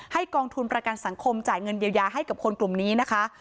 กองทุนประกันสังคมจ่ายเงินเยียวยาให้กับคนกลุ่มนี้นะคะ